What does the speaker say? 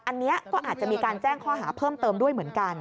อันนี้ก็อาจจะมีการแจ้งข้อหาเพิ่มเติมด้วยเหมือนกัน